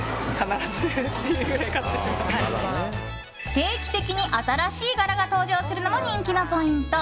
定期的に新しい柄が登場するのも人気のポイント。